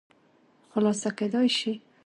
خلاصه کېداى شي